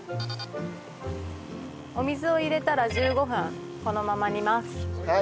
お水を入れたら１５分このまま煮ます。